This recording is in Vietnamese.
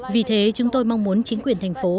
vì thế chúng tôi mong muốn chính quyền thành phố